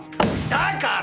だから！